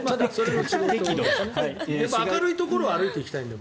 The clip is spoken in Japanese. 明るいところを僕は歩いていきたいんで。